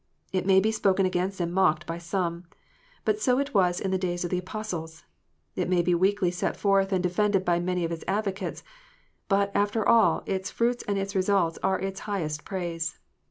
It may be spoken against and mocked by some ; but so it was in the days of the Apostles. It may be weakly set forth and defended by many of its advocates ; but, after all, its fruits and its results are its highest praise.